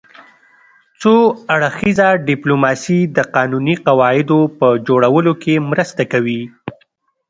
څو اړخیزه ډیپلوماسي د قانوني قواعدو په جوړولو کې مرسته کوي